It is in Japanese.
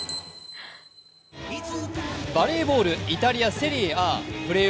バレーボール、イタリア・セリエＡ。